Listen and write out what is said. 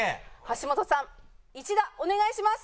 橋本さん１打お願いします。